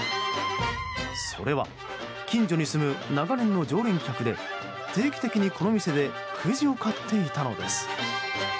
それは近所に住む長年の常連客で定期的にこの店でくじを買っていたのです。